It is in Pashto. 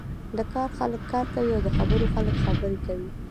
د کار خلک کار کوی او د خبرو خلک خبرې کوی.